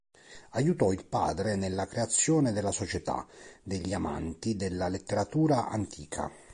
Aiutò il padre nella creazione della Società degli amanti della letteratura antica.